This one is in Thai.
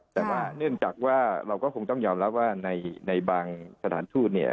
แต่ว่าเนื่องจากว่าเราก็คงต้องยอมรับว่าในบางสถานทูตเนี่ย